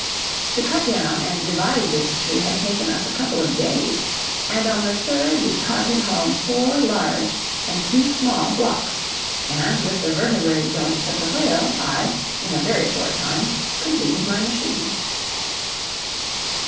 To cut down and divide this tree had taken us a couple of days, and on the third we carted home four large and two small blocks, and with the vertebræ joints of the whale I, in a very short time, completed my machine.